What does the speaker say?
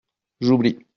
J’oublie.